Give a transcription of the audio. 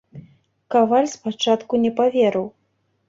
Каваль спачатку не паверыў.